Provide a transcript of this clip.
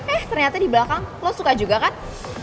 eh ternyata di belakang lo suka juga kan